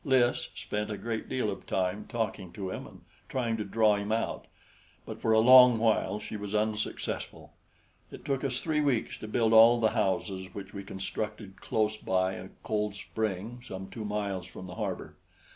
Lys spent a great deal of time talking to him and trying to draw him out; but for a long while she was unsuccessful. It took us three weeks to build all the houses, which we constructed close by a cold spring some two miles from the harbor.